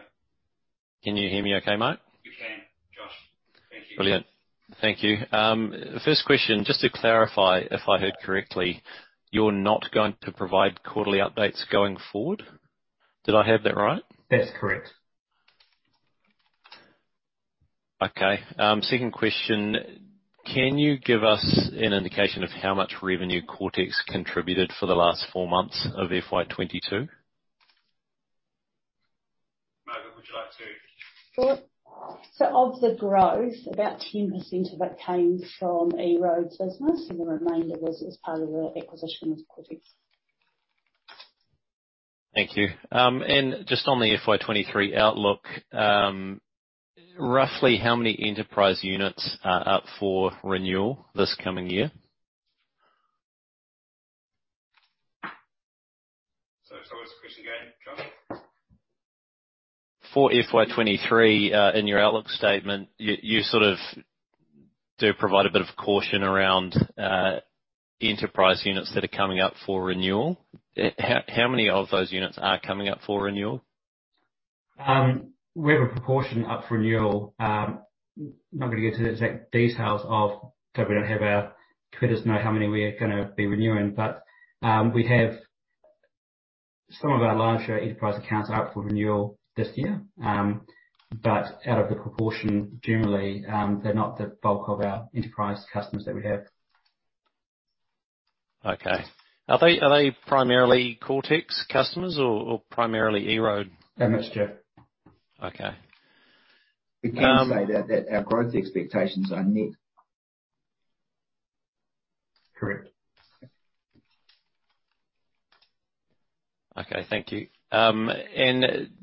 Can you hear me okay, Mark? We can, Josh. Thank you. Brilliant. Thank you. First question, just to clarify, if I heard correctly, you're not going to provide quarterly updates going forward. Did I hear that right? That's correct. Okay. Second question. Can you give us an indication of how much revenue Coretex contributed for the last four months of FY 2022? Margaret, would you like to? Sure. Of the growth, about 10% of it came from EROAD's business, and the remainder was as part of the acquisition of Coretex. Thank you. Just on the FY 2023 outlook, roughly how many enterprise units are up for renewal this coming year? Sorry, what was the question again, Josh? For FY 2023, in your outlook statement, you sort of do provide a bit of caution around enterprise units that are coming up for renewal. How many of those units are coming up for renewal? We have a proportion up for renewal. Not gonna get into the exact details. We don't want our competitors to know how many we are gonna be renewing, but we have some of our larger enterprise accounts are up for renewal this year. Out of the proportion, generally, they're not the bulk of our enterprise customers that we have. Okay. Are they primarily Coretex customers or primarily EROAD? They're mixed, yeah. Okay. We can say that our growth expectations are met. Correct. Okay. Thank you.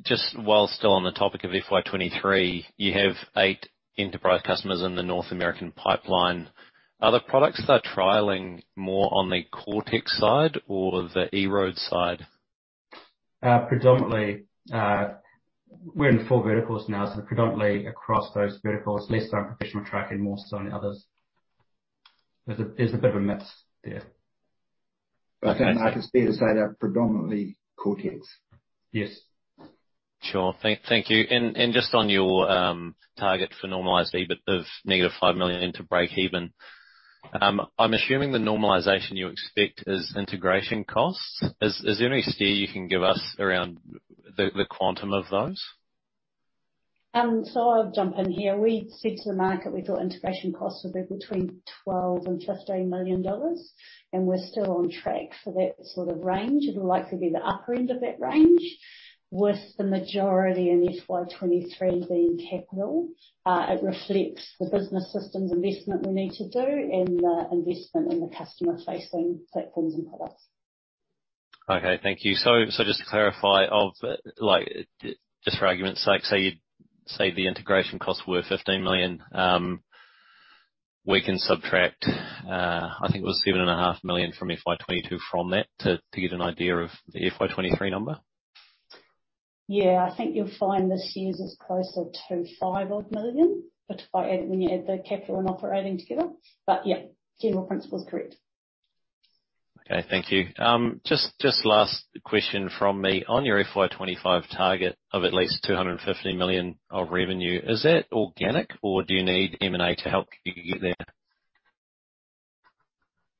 Just while still on the topic of FY 2023, you have eight enterprise customers in the North American pipeline. Are the products they're trialing more on the Coretex side or the EROAD side? Predominantly, we're in four verticals now, so predominantly across those verticals. Less so on professional tracking, more so on others. There's a bit of a mix there. I think, Mark, it's fair to say they're predominantly Coretex. Yes. Sure. Thank you. Just on your target for normalized EBIT of -5 million to break even, I'm assuming the normalization you expect is integration costs. Is there any steer you can give us around the quantum of those? I'll jump in here. We said to the market we thought integration costs would be between 12 million and 15 million dollars, and we're still on track for that sort of range. It'll likely be the upper end of that range, with the majority in FY 2023 being capital. It reflects the business systems investment we need to do and the investment in the customer-facing platforms and products. Okay. Thank you. Just to clarify, like, just for argument's sake, say you the integration costs were 15 million. We can subtract, I think it was 7.5 million from FY 2022 from that to get an idea of the FY 2023 number? Yeah. I think you'll find this year's is closer to 5 odd million, but when you add the capital and operating together. Yeah, general principle is correct. Okay. Thank you. Just last question from me. On your FY 2025 target of at least 250 million of revenue, is that organic or do you need M&A to help you get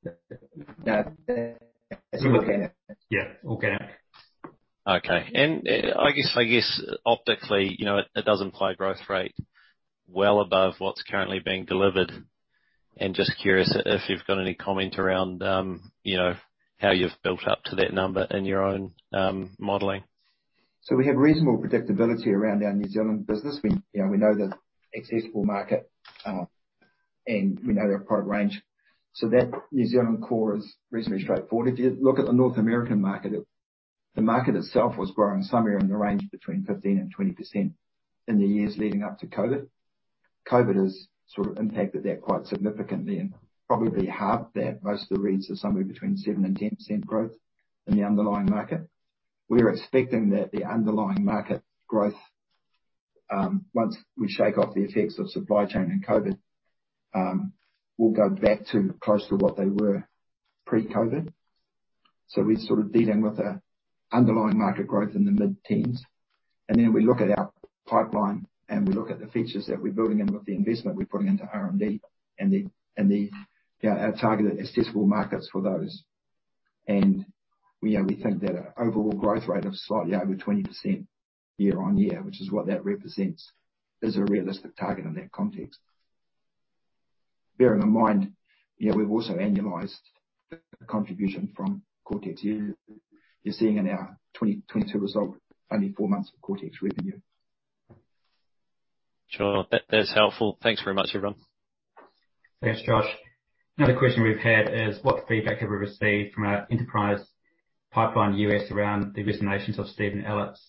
there? That's organic. Yeah. Organic. Okay. I guess optically, you know, it does imply growth rate well above what's currently being delivered. Just curious if you've got any comment around, you know, how you've built up to that number in your own modeling? We have reasonable predictability around our New Zealand business. We, you know, we know the accessible market and we know our product range. That New Zealand core is reasonably straightforward. If you look at the North American market, the market itself was growing somewhere in the range between 15% and 20% in the years leading up to COVID. COVID has sort of impacted that quite significantly and probably halved that. Most of the reads are somewhere between 7% and 10% growth in the underlying market. We're expecting that the underlying market growth, once we shake off the effects of supply chain and COVID, will go back to close to what they were pre-COVID. We're sort of dealing with an underlying market growth in the mid-teens. We look at our pipeline, and we look at the features that we're building and with the investment we're putting into R&D and the, you know, our targeted accessible markets for those. We think that an overall growth rate of slightly over 20% year-on-year, which is what that represents, is a realistic target in that context. Bearing in mind, you know, we've also annualized the contribution from Coretex. You're seeing in our 2022 result only four months of Coretex revenue. Sure. That's helpful. Thanks very much, everyone. Thanks, Josh. Another question we've had is, what feedback have we received from our enterprise pipeline U.S. around the resignations of Steve and Alex?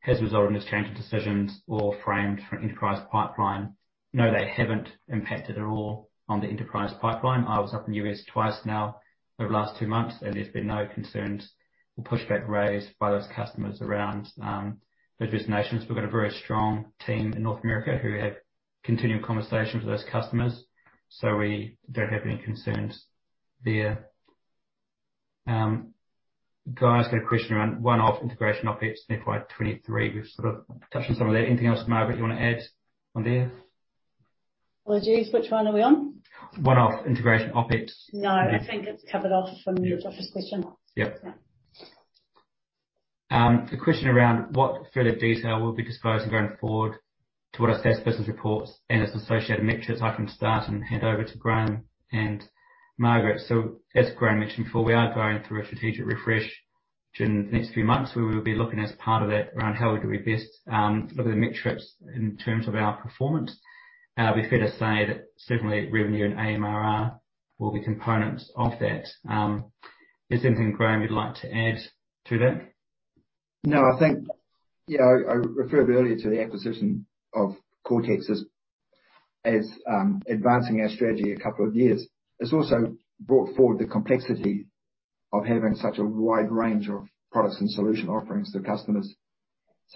Has it resulted in a change of decisions or fears for enterprise pipeline? No, they haven't impacted at all on the enterprise pipeline. I was up in the U.S. twice now over the last two months, and there's been no concerns or pushback raised by those customers around those resignations. We've got a very strong team in North America who have continued conversations with those customers, so we don't have any concerns there. Guy asked a question around one-off integration OpEx in FY 2023. We've sort of touched on some of that. Anything else, Margaret, you want to add on there? Apologies, which one are we on? One-off integration OpEx. No, I think it's covered off from Josh's question. Yep. The question around what further detail will be disclosed going forward to what a SaaS business reports and its associated metrics. I can start and hand over to Graham and Margaret. As Graham mentioned before, we are going through a strategic refresh during the next few months. We will be looking as part of that around how we best look at the metrics in terms of our performance. It'd be fair to say that certainly revenue and AMRR will be components of that. Is there anything, Graham, you'd like to add to that? No, I think, you know, I referred earlier to the acquisition of Coretex as advancing our strategy a couple of years. It's also brought forward the complexity of having such a wide range of products and solution offerings to customers.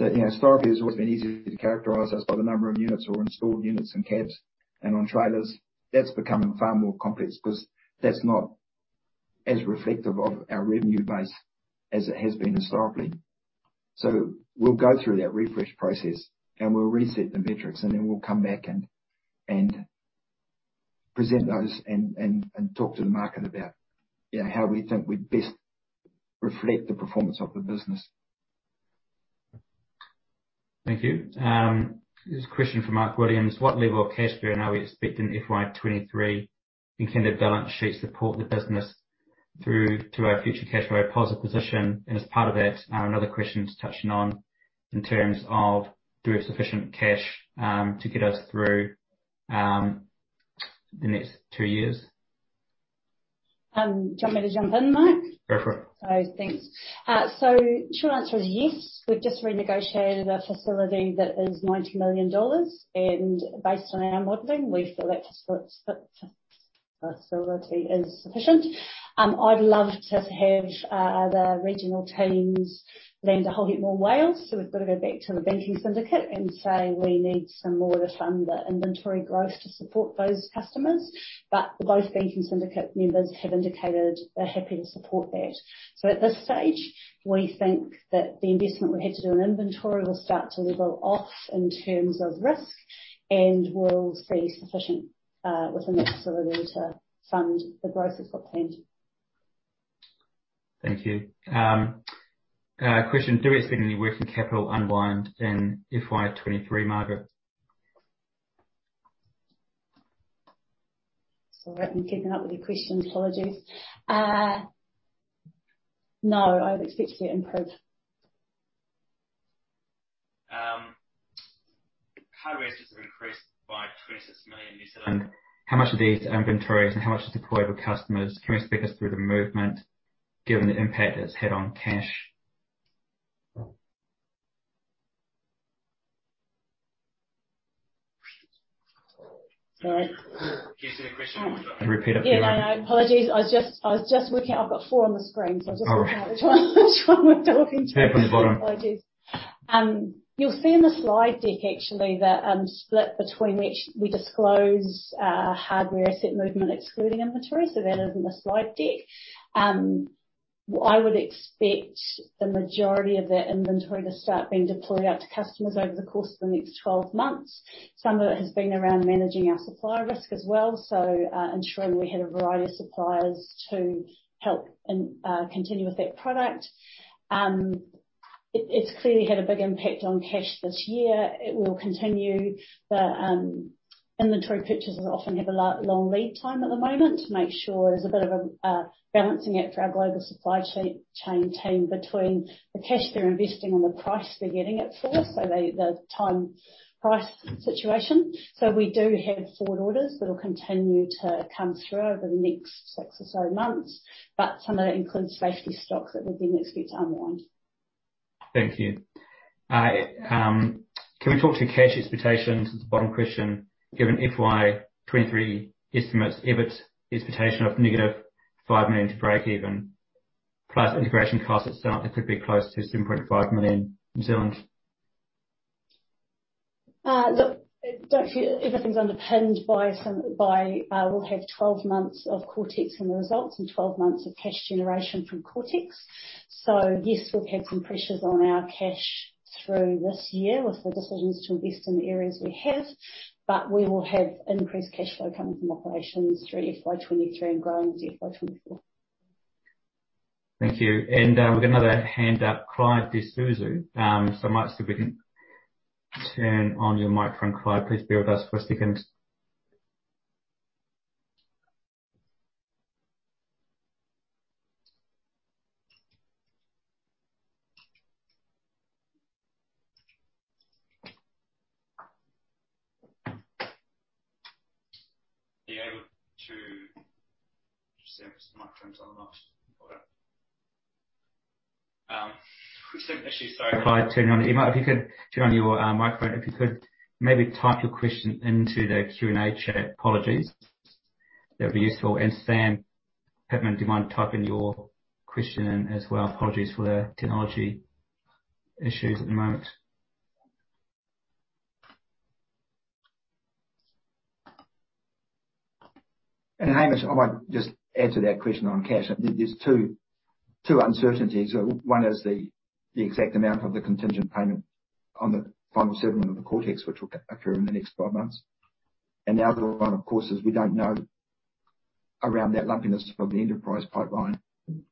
You know, Starview has always been easy to characterize. That's by the number of units or installed units in cabs and on trailers. That's becoming far more complex because that's not as reflective of our revenue base as it has been historically. We'll go through that refresh process, and we'll reset the metrics, and then we'll come back and present those and talk to the market about, you know, how we think we'd best reflect the performance of the business. Thank you. Here's a question from Mark Williams. What level of cash burn are we expecting in FY 2023, and can the balance sheet support the business through to our future cash flow positive position? As part of that, another question to touch on in terms of do we have sufficient cash to get us through the next two years? Do you want me to jump in, Mark? Go for it. Thanks. Short answer is yes. We've just renegotiated a facility that is 90 million dollars, and based on our modeling, we feel that facility is sufficient. I'd love to have the regional teams land a whole heap more whales, so we've got to go back to the banking syndicate and say, "We need some more to fund the inventory growth to support those customers." Both banking syndicate members have indicated they're happy to support that. At this stage, we think that the investment we have to do in inventory will start to level off in terms of risk and will be sufficient within that facility to fund the growth we've got planned. Thank you. Question, do we expect any working capital unwind in FY 2023, Margaret? Sorry, I haven't been keeping up with your questions. Apologies. No, I would expect it to improve. Hard assets have increased by 26 million. How much of these are inventories and how much is deployed with customers? Can you walk us through the movement given the impact it's had on cash? Sorry. Can you say the question one more time? Can you repeat it please? Yeah, I know. Apologies. I was just working. I've got four on the screen, so I was just not sure which one we're talking to. Third from the bottom. Apologies. You'll see in the slide deck actually the split between which we disclose, hardware asset movement excluding inventory. That is in the slide deck. I would expect the majority of that inventory to start being deployed out to customers over the course of the next 12 months. Some of it has been around managing our supplier risk as well, so ensuring we had a variety of suppliers to help and continue with that product. It's clearly had a big impact on cash this year. It will continue, but inventory purchases often have a long lead time at the moment to make sure there's a bit of a balancing act for our global supply chain team between the cash they're investing and the price they're getting it for. The time price situation. We do have forward orders that'll continue to come through over the next six or so months, but some of that includes basically stock that we then expect to unwind. Thank you. Can we talk about cash expectations? It's the bottom question. Given FY 2023 estimates EBIT expectation of -5 million to break even, plus integration costs itself, it could be close to 7.5 million. Look, don't forget everything's underpinned by we'll have 12 months of Coretex in the results and 12 months of cash generation from Coretex. Yes, we'll have some pressures on our cash through this year with the decisions to invest in the areas we have, but we will have increased cash flow coming from operations through FY 2023 and growing into FY 2024. Thank you. We've got another hand up, Clyde D'Souza. Perhaps if we can turn on your microphone, Clyde. Please bear with us for a second. Just see if his microphone's on or not. We're still having issues, sorry. Clyde, if you could turn on your microphone. If you could maybe type your question into the Q&A chat. Apologies. That would be useful. Sam, do you mind typing your question in as well? Apologies for the technology issues at the moment. Hamish, I might just add to that question on cash. There's two uncertainties. One is the exact amount of the contingent payment on the final settlement of the Coretex, which will occur in the next five months. The other one, of course, is we don't know around that lumpiness of the enterprise pipeline. You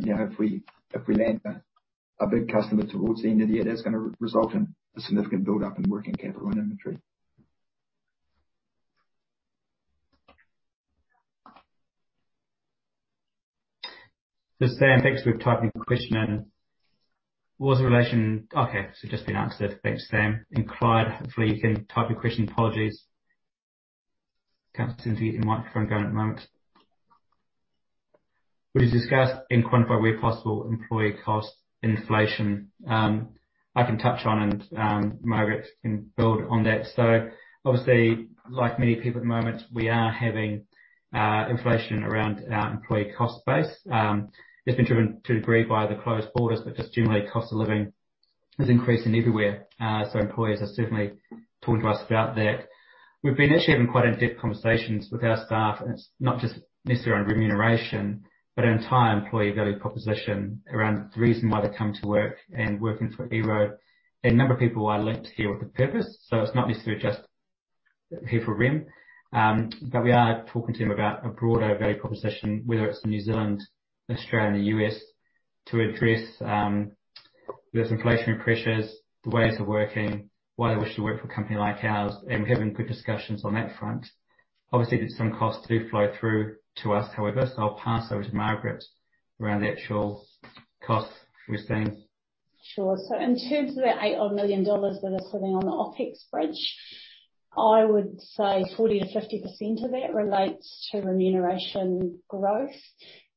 know, if we land a big customer towards the end of the year, that's gonna result in a significant buildup in working capital and inventory. Sam, thanks for typing your question. Okay, just been answered. Thanks, Sam. Clyde, hopefully you can type your question. Apologies. Can't seem to get your microphone going at the moment. Would you discuss and quantify where possible employee cost inflation? I can touch on, Margaret can build on that. Obviously, like many people at the moment, we are having inflation around our employee cost base. It's been driven to a degree by the closed borders, but just generally cost of living is increasing everywhere. Employees are certainly talking to us about that. We've been actually having quite in-depth conversations with our staff, and it's not just necessarily on remuneration, but our entire employee value proposition around the reason why they come to work and working for EROAD. A number of people are linked here with the purpose, so it's not necessarily just here for rem. We are talking to them about a broader value proposition, whether it's New Zealand, Australia, U.S., to address those inflationary pressures, the ways of working, why they wish to work for a company like ours, and we're having good discussions on that front. Obviously, there's some costs do flow through to us, however, so I'll pass over to Margaret around the actual costs we're seeing. Sure. In terms of that $8-odd million that are sitting on the OpEx bridge, I would say 40%-50% of that relates to remuneration growth.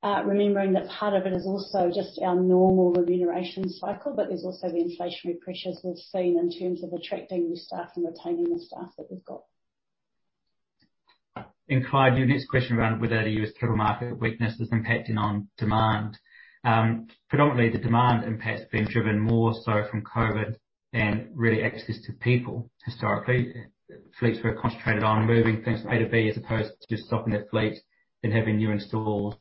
Remembering that part of it is also just our normal remuneration cycle, but there's also the inflationary pressures we've seen in terms of attracting new staff and retaining the staff that we've got. Clyde, your next question around whether the U.S. total market weakness is impacting on demand. Predominantly the demand impact's being driven more so from COVID and really access to people. Historically, fleets were concentrated on moving things A to B as opposed to just stopping their fleets and having new installs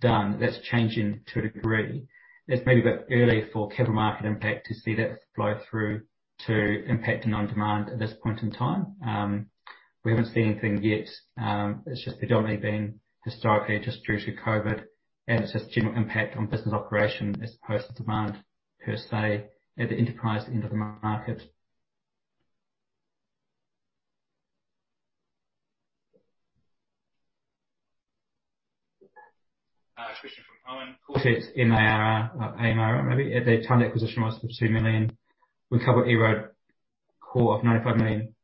done. That's changing to a degree. It's maybe a bit early for capital market impact to see that flow through to impact on demand at this point in time. We haven't seen anything yet. It's just predominantly been historically just due to COVID, and it's just general impact on business operation as opposed to demand per se at the enterprise end of the market. Christian from Owen. Coretex ARR, maybe. At the time the acquisition was for 2 million, we cover EROAD Coretex of 95 million.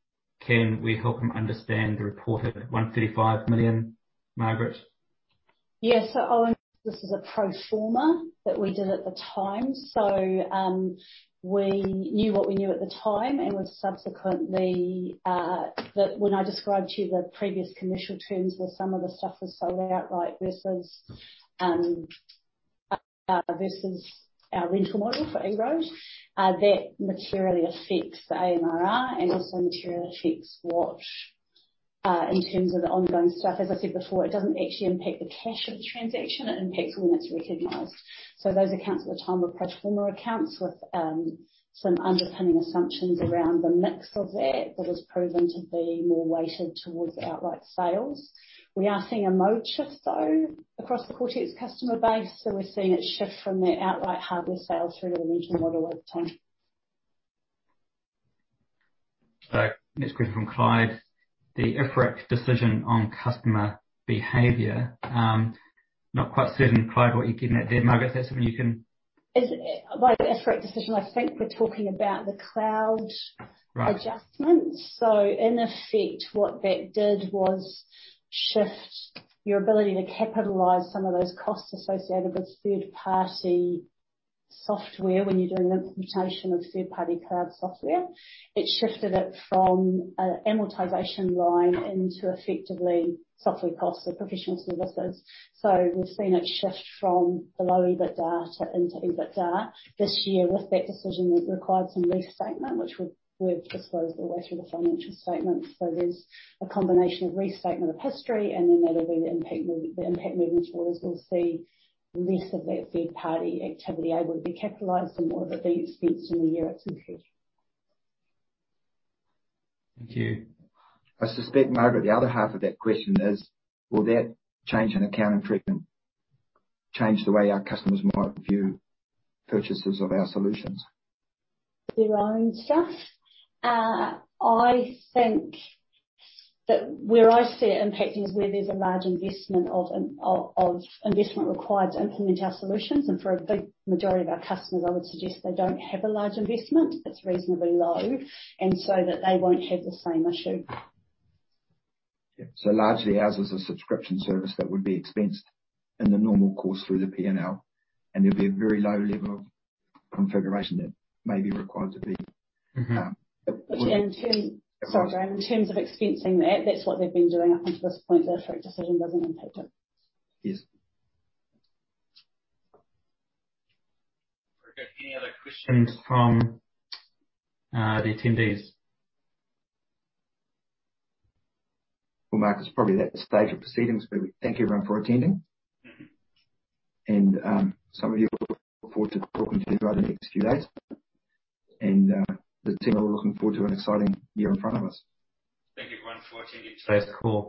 Can we help them understand the reported 135 million, Margaret? Yes. Owen, this is a pro forma that we did at the time. We knew what we knew at the time and was subsequently when I described to you the previous commercial terms, where some of the stuff was sold outright versus our rental model for EROAD, that materially affects the ARR and also materially affects what in terms of the ongoing stuff. As I said before, it doesn't actually impact the cash of the transaction. It impacts when it's recognized. Those accounts at the time were pro forma accounts with some underpinning assumptions around the mix of that that has proven to be more weighted towards outright sales. We are seeing a mode shift, though, across the Coretex customer base, so we're seeing it shift from their outright hardware sales through to the rental model over time. Next question from Clyde. The IFRIC decision on customer behavior. Not quite certain, Clyde, what you're getting at there, Margaret, is there something you can. It's by IFRIC decision, I think we're talking about the cloud. Right. Adjustments. In effect, what that did was shift your ability to capitalize some of those costs associated with third-party software when you're doing implementation of third-party cloud software. It shifted it from an amortization line into effectively software costs or professional services. We've seen it shift from below EBITDA into EBITDA this year. With that decision, it required some restatement, which we've disclosed all the way through the financial statements. There's a combination of restatement of history, and then that'll be the impact move. The impact moving forward is we'll see less of that third-party activity able to be capitalized and more of it being expensed in the year it's incurred. Thank you. I suspect, Margaret, the other half of that question is, will that change in accounting treatment change the way our customers might view purchases of our solutions? Their own stuff? I think that where I see it impacting is where there's a large investment required to implement our solutions, and for a big majority of our customers, I would suggest they don't have a large investment. It's reasonably low, and so that they won't have the same issue. Largely ours is a subscription service that would be expensed in the normal course through the P&L, and there'll be a very low level of configuration that may be required to be. Mm-hmm. Sorry, Graham. In terms of expensing that's what they've been doing up until this point. The IFRIC decision doesn't impact it. Yes. Okay. Any other questions from the attendees? Well, Mark, it's probably at the stage of proceedings where we thank everyone for attending. Mm-hmm. Some of you look forward to talking to you over the next few days. The team are all looking forward to an exciting year in front of us. Thank you everyone for attending today's call.